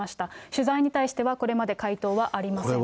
取材にしてはこれまで回答はありません。